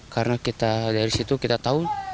karena dari situ kita tahu